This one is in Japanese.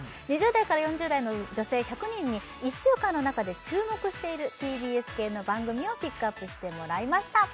２０代から４０代の女性１００人に１週間の中で注目しているＴＢＳ系の番組をピックアップしてもらいました